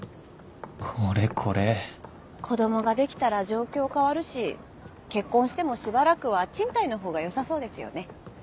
これこれ子供ができたら状況変わるし結婚してもしばらくは賃貸の方がよさそうですよね。